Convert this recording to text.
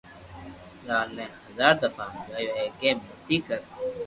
لال ني ھزار دفہ ھمجاويو ھي ڪي متي ڪر